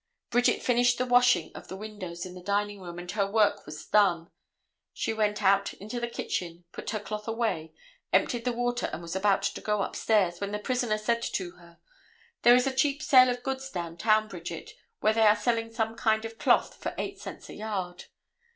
Bridget finished the washing of the windows in the dining room and her work was done. She went out into the kitchen, put her cloth away, emptied the water and was about to go upstairs, when the prisoner said to her: "There is a cheap sale of goods down town, Bridget, where they are selling some kind of cloth for eight cents a yard."